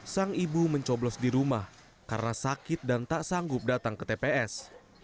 sang ibu mencoblos di rumah karena sakit dan tak sanggup datang ke tps